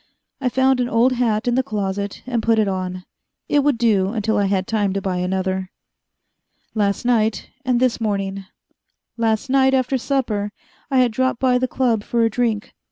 I found an old hat in the closet and put it on. It would do until I had time to buy another. Last night and this morning. Last night, after supper, I had dropped by the Club for a drink.